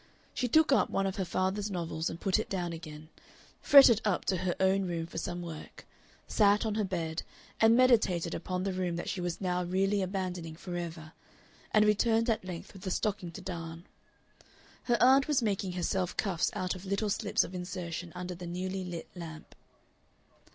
She took up one of her father's novels and put it down again, fretted up to her own room for some work, sat on her bed and meditated upon the room that she was now really abandoning forever, and returned at length with a stocking to darn. Her aunt was making herself cuffs out of little slips of insertion under the newly lit lamp.